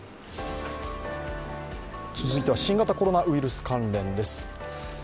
続いては新型コロナウイルス関連です。